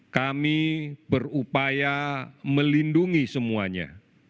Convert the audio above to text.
kami berupaya melindungi semuanya